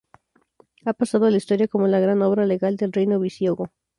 Ha pasado a la historia como la gran obra legal del reino visigodo.